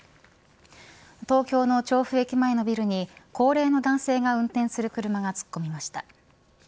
東京の調布駅前のビルに高齢の男性が運転する車が突っ込みました。